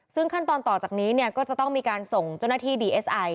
ซึ่งขั้นตอนต่อจากนี้เนี่ยก็จะต้องมีการส่งเจ้าหน้าที่ดีเอสไอ